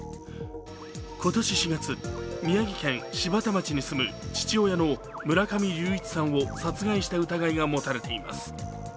今年４月、宮城県柴田町に住む父親の村上隆一さんを殺害した疑いが持たれています。